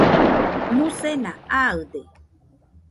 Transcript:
musena aɨde